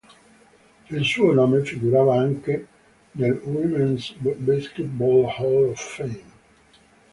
Il suo nome figura anche nel Women's Basketball Hall of Fame.